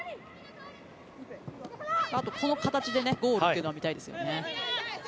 あとこの形でゴールというのも見たいですよね。